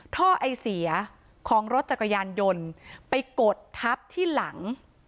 ท่อไอเสียของรถจักรยานยนต์ไปกดทับที่หลัง